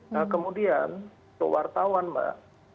nah kemudian kewartawan mbak